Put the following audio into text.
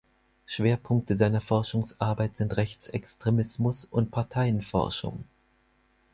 Schwerpunkte seiner Forschungsarbeit sind Rechtsextremismus und Parteienforschung.